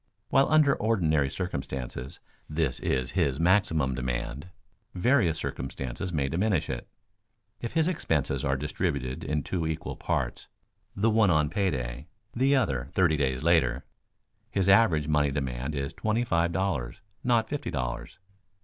While under ordinary circumstances this is his maximum demand, various circumstances may diminish it. If his expenses are distributed in two equal parts (the one on pay day, the other thirty days later) his average money demand is twenty five dollars, not fifty dollars.